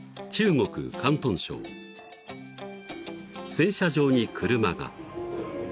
［洗車場に車が］